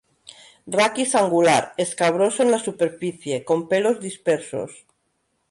Raquis angular; escabroso en la superficie; con pelos dispersos.